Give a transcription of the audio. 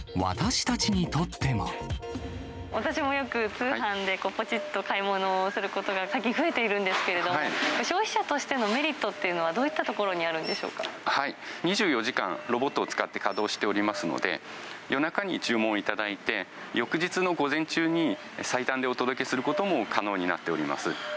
私もよく、通販でぽちっと買い物をすることが、最近増えているんですけれども、消費者としてのメリットっていうのは、どういったところにあ２４時間、ロボットを使って稼働しておりますので、夜中に注文いただいて、翌日の午前中に最短でお届けすることも可能になっております。